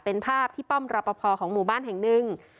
เป็นภาพที่ป้อมรอปภของหมู่บ้านแห่งหนึ่ง